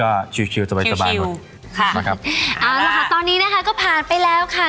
ตอนนั้นก็คิวคิวค่ะมาครับเอาล่ะค่ะตอนนี้นะคะก็ผ่านไปแล้วค่ะ